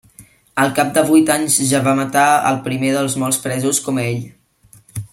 Al cap de vuit anys ja va matar al primer dels molts presos com ell.